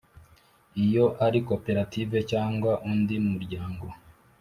iyo ari koperative cyangwa undi muryango